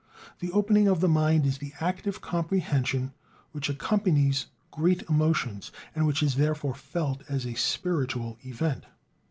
The opening of the mind is the active comprehension which accompanies great emotions, and which is therefore felt as a spiritual event.